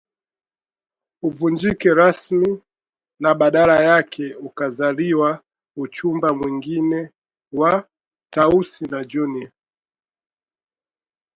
uvunjike rasmi na badala yake ukazaliwa uchumba mwingine wa Tausi na Junior